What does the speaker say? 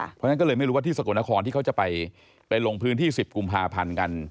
เพราะฉะนั้นก็เลยไม่รู้ว่าที่สกลนครที่เขาจะไปลงพื้นที่๑๐กุมภาพันธ์กัน